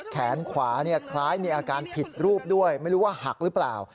แขนขวาคล้ายมีอาการผิดรูปด้วยไม่รู้ว่าหักหรือเปล่า